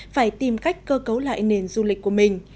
phải tìm cách cơ cấu lại nền du lịch của mình